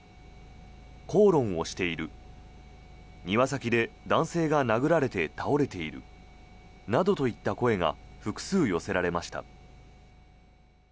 口論をしている庭先で男性が殴られて倒れているなどといった声が複数寄せられました。